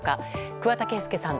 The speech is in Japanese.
桑田佳祐さん